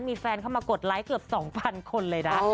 มีแฟนเข้ามากดไลค์เกือบ๒๐๐คนเลยนะ